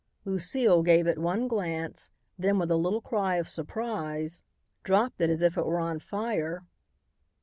Lucile gave it one glance, then with a little cry of surprise, dropped it as if it were on fire.